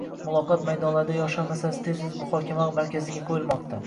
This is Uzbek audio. Muloqot maydonlarida yoshlar masalasi tez-tez muhokama markaziga qoʻyilmoqda.